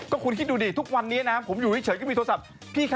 คุณคิดดูดิทุกวันนี้นะผมอยู่เฉยก็มีโทรศัพท์